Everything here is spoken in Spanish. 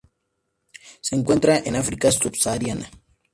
Se encuentra en África subsahariana.